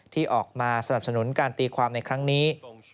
ที่ออกมาสนับสนุนการตีความในครั้งนี้